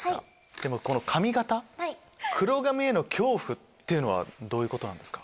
でもこの髪形「黒髪への恐怖」っていうのはどういうことなんですか？